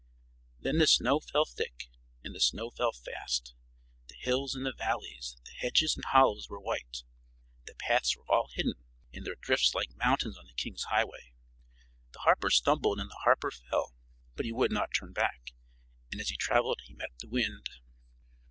Then the snow fell thick, and the snow fell fast. The hills and the valleys, the hedges and hollows were white. The paths were all hidden, and there were drifts like mountains on the king's highway. The harper stumbled and the harper fell, but he would not turn back; and as he traveled he met the wind.